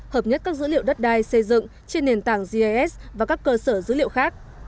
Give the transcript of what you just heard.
hợp nhất các dữ liệu đất đai xây dựng trên nền tảng gis và các cơ sở dữ liệu khác